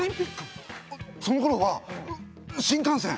あっそのころは新幹線！